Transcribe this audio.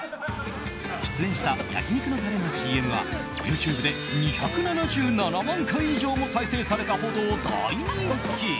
出演した焼き肉のタレのＣＭはＹｏｕＴｕｂｅで２７７万回以上も再生されたほど大人気。